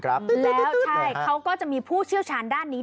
แล้วใช่เขาก็จะมีผู้เชี่ยวชาญด้านนี้